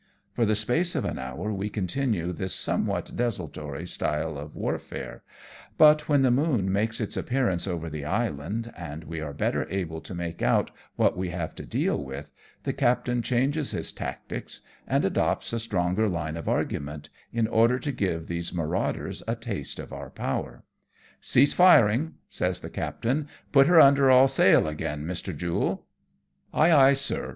For the space of an hour we continue this somewhat desultory style of warfare, but when the moon makes its appear ance over the island, and we are better able to make out what we have to deal with, the captain changes his tactics, and adopts a stronger line of argument, in order to give these marauders a taste of our power. " Cease firing," says the captain ;" put her under all sail again, Mr. Jule.'^ Ay, ay, sir!"